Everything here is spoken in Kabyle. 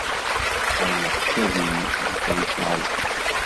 Ɣef leḥsab-inu, Yuba yesɛa lḥeqq.